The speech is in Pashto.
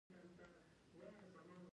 مس د افغانستان د طبیعت برخه ده.